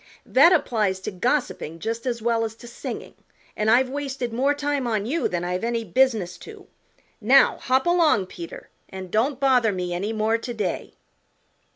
That applies to gossiping just as well as to singing and I've wasted more time on you than I've any business to. Now hop along, Peter, and don't bother me any more to day."